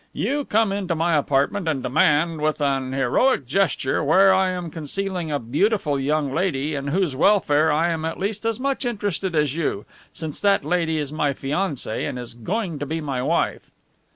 "You come into my apartment and demand, with an heroic gesture, where I am concealing a beautiful young lady, in whose welfare I am at least as much interested as you, since that lady is my fiancée and is going to be my wife."